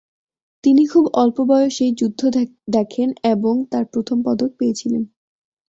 তিনি খুব অল্প বয়সেই যুদ্ধ দেখেন এবং তার প্রথম পদক পেয়েছিলেন।